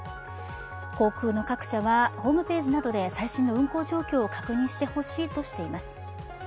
航空の各社はホームページなどで最新の運航状況を確認してほしいとしています。